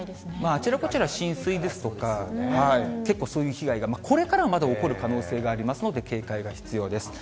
あちらこちら浸水ですとか、結構、そういう被害がこれからもまだ起こる可能性がありますので、警戒が必要です。